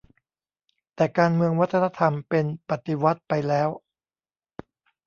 แต่การเมืองวัฒนธรรมเป็น 'ปฏิวัติ' ไปแล้ว